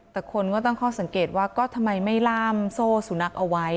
แต่คนก็ตั้งข้อสังเกตว่าก็ทำไมไม่ล่ามโซ่สุนัขเอาไว้